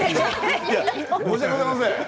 申し訳ございません。